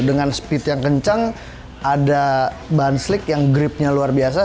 dengan speed yang kencang ada ban slik yang gripnya luar biasa